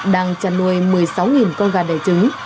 đang chăn nuôi một mươi sáu con gà đẻ trứng